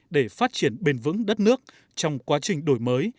để phát triển bền vững đất nước trong quá trình đổi mới